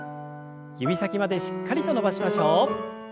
指先までしっかりと伸ばしましょう。